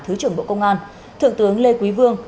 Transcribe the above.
thứ trưởng bộ công an thượng tướng lê quý vương